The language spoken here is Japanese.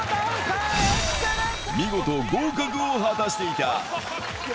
見事、合格を果たしていた。